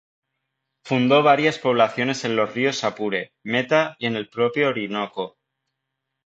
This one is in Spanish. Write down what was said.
Fundó varias poblaciones en los ríos Apure, Meta y en el propio Orinoco.